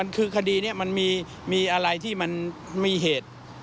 คดีมันมีอะไรที่มันมีเหตุ